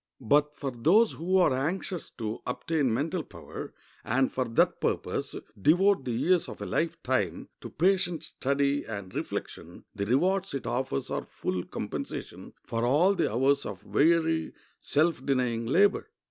But for those who are anxious to obtain mental power, and for that purpose devote the years of a life time to patient study and reflection, the rewards it offers are full compensation for all the hours of weary, self denying labor.